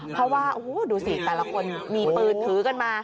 เพราะว่าโอ้โหดูสิแต่ละคนมีปืนถือกันมา